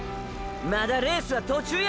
まだレースは途中や！！